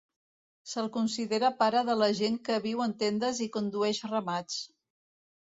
Se'l considera pare de la gent que viu en tendes i condueix ramats.